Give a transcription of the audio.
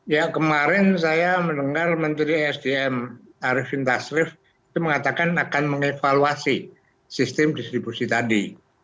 ya kemarin saya mendengar menteri sdm arifin tasrif itu mengatakan akan mengevaluasi sistem distribusi tadi